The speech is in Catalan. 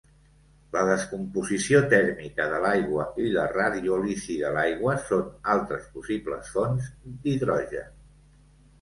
La descomposició tèrmica de l'aigua i la radiòlisi de l'aigua són altres possibles fonts d'hidrogen.